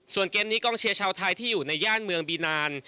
ส่วนเกมนี้กองเชียร์ชาวไทยที่อยู่ในย่านเมืองบีนาน